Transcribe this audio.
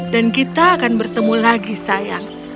dan kita akan bertemu lagi sayang